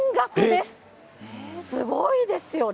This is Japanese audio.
すごいですよね。